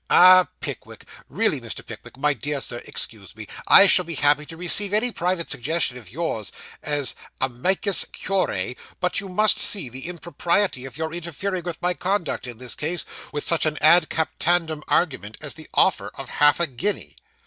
'Ah, Pickwick really Mr. Pickwick, my dear Sir, excuse me I shall be happy to receive any private suggestions of yours, as AMICUS CURIAE, but you must see the impropriety of your interfering with my conduct in this case, with such an AD CAPTANDUM argument as the offer of half a guinea.